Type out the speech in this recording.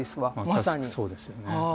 まさしくそうですよね。